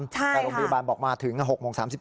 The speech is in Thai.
แต่โรงพยาบาลบอกมาถึง๖โมง๓๗